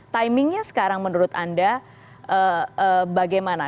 timingnya sekarang menurut anda bagaimana